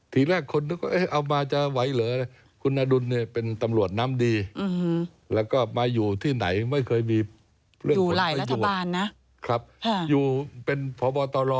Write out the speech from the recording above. ทีแรกคนนึกว่าเอ๊เอามาจะไหวเหรอ